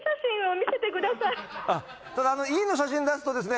ただイの写真出すとですね